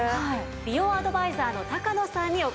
美容アドバイザーの高野さんにお越し頂きました。